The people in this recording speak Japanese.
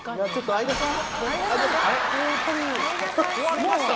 相田さん。